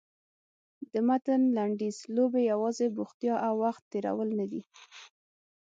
د متن لنډیز لوبې یوازې بوختیا او وخت تېرول نه دي.